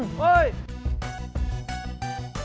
kita cuma ngebelah temen